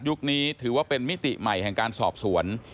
นี้ถือว่าเป็นมิติใหม่แห่งการสอบสวน